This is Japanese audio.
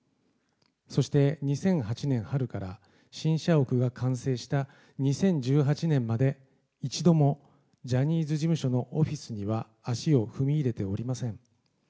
そして、２００８年春から新社屋が完成した２０１８年まで一度もジャニーズ事務所のオフィスには足を踏み入れておりません。